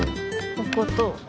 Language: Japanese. ここと。